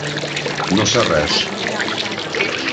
No sé res.